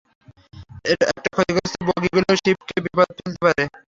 একটা ক্ষতিগ্রস্ত বগি পুরো শিপকে বিপদ ফেলতে পারে!